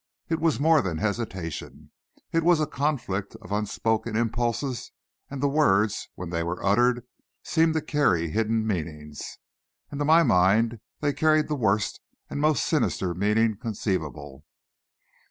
It was more than hesitation. It was a conflict of unspoken impulses, and the words, when they were uttered, seemed to carry hidden meanings, and to my mind they carried the worst and most sinister meaning conceivable.